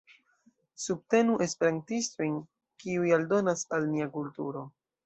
Subtenu esperantistojn, kiuj aldonas al nia kulturo.